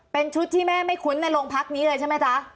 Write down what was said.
เป็นชุดที่แม่ไม่คุ้นในโรงพักนี้เลยใช่ไหมจ๊ะ